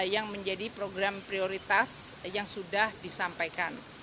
yang menjadi program prioritas yang sudah disampaikan